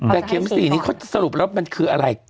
แครมสี่นี้สรุปแล้วมันคืออะไร